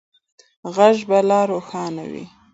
غږ به لا روښانه وي.